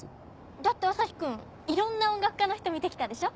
だって朝陽君いろんな音楽家の人見てきたでしょ？